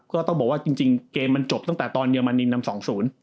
ก็ต้องบอกว่าจริงจริงเกมมันจบตั้งแต่ตอนเยอรมนีนำสองศูนย์